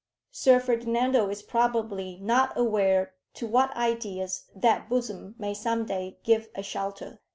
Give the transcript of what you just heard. "Sir Ferdinando is probably not aware to what ideas that bosom may some day give a shelter.